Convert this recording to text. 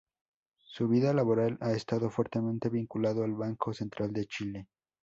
Su vida laboral ha estado fuertemente vinculada al Banco Central de Chile.